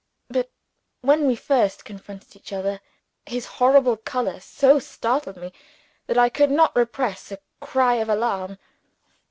But when we first confronted each other, his horrible color so startled me, that I could not repress a cry of alarm.